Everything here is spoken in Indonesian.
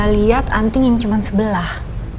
lihat anting yang cuma sebelah